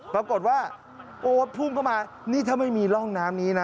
ปรากฏว่าโอ๊ตพุ่งเข้ามานี่ถ้าไม่มีร่องน้ำนี้นะ